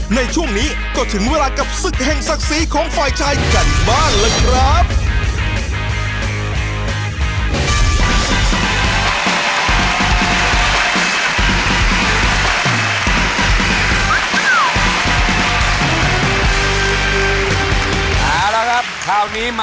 ในช่วงนี้ก็ถึงเวลากับศึกแห่งศักดิ์ศรีของฝ่ายชายกันบ้างล่ะครับ